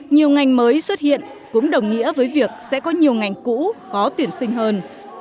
nhiều ngành mới xuất hiện cũng đồng nghĩa với việc sẽ có nhiều ngành cũ khó tuyển sinh hơn